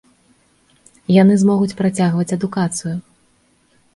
Яны змогуць працягваць адукацыю.